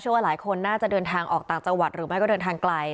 ว่าหลายคนน่าจะเดินทางออกต่างจังหวัดหรือไม่ก็เดินทางไกล